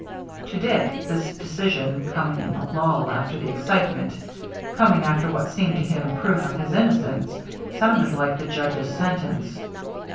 To Dick this decision, coming in the lull after the excitement, coming after what seemed to him proof of his innocence, sounded like the judge's sentence.